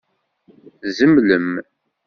Tzemlem?